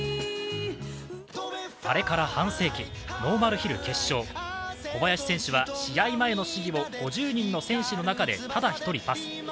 あれから半世紀、ノーマルヒル決勝小林選手は試合前の試技を５０人の選手の中でただ１人パス。